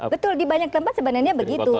betul di banyak tempat sebenarnya begitu